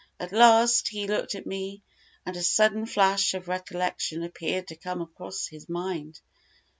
At last, he looked at me, and a sudden flash of recollection appeared to come across his mind.